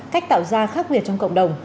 cách tạo ra khác biệt trong cộng đồng